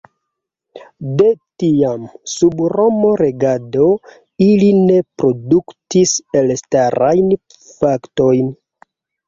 De tiam, sub roma regado, ili ne produktis elstarajn faktojn.